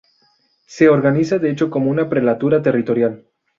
Se organiza de hecho como una prelatura territorial.